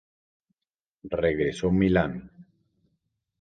Regresó a Milán.